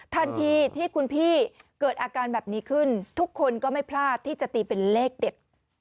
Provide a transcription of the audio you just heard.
ทันทีที่คุณพี่เกิดอาการแบบนี้ขึ้นทุกคนก็ไม่พลาดที่จะตีเป็นเลขเด็ด